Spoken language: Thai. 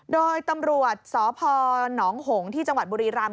โดยตำรวจสพหนองหงที่จังหวัดบุรีรำ